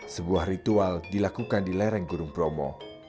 sebuah ritual dilakukan di lereng gunung bromo